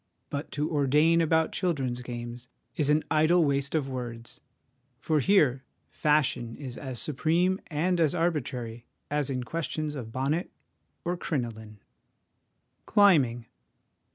But to ' ordain ' about children's games is an idle waste of words, for here fashion is as supreme and as arbitrary as in questions of bonnet or crinoline. Climbing.